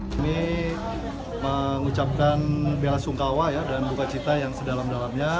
kami mengucapkan bela sungkawa dan buka cita yang sedalam dalamnya